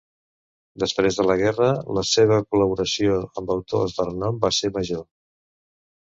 Després de la guerra, la seva col·laboració amb autors de renom va ser major.